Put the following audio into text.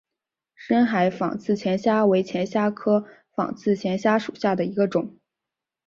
深海仿刺铠虾为铠甲虾科仿刺铠虾属下的一个种。